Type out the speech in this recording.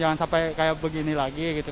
jangan sampai kayak begini lagi gitu